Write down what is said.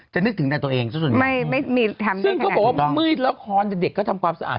จะนึกถึงในตัวเองส่วนหนึ่งไม่ไม่มีทำได้ขนาดที่ต้องซึ่งเขาบอกว่ามืดแล้วคอลเด็กเด็กก็ทำความสะอาด